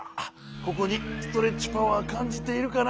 ここにストレッチパワーかんじているかな？